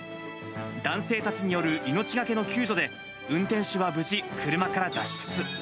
男性たちによる命懸けの救助で、運転手は無事、車から脱出。